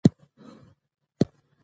دریابونه د افغانانو د ژوند طرز اغېزمنوي.